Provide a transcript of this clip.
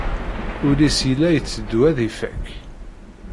Ullis yella iteddu ad ifakk.